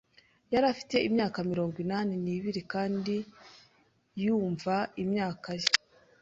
Yari afite imyaka mirongo inani n'ibiri kandi yumva imyaka ye.